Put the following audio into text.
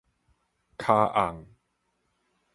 跤甕